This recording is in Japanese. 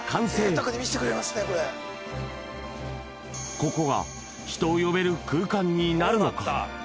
ここが人を呼べる空間になるのか？